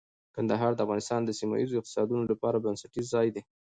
کندهار د افغانستان د سیمه ییزو اقتصادونو لپاره بنسټیز ځای دی.